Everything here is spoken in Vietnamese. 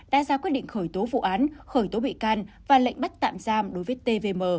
đã ra quyết định khởi tố vụ án khởi tố bị can và lệnh bắt tạm giam đối với tvm